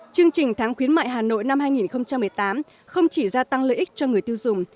chương trình tháng khuyến mại hà nội năm hai nghìn một mươi tám không chỉ gia tăng lợi ích cho người tiêu dùng